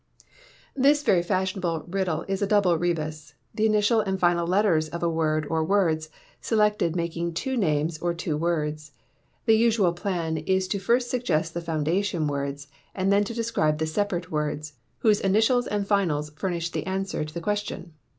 This very fashionable riddle is a double Rebus, the initial and final letters of a word or words selected making two names or two words. The usual plan is to first suggest the foundation words, and then to describe the separate words, whose initials and finals furnish the answer to the question.